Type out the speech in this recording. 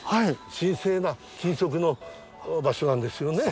神聖な禁足の場所なんですよね。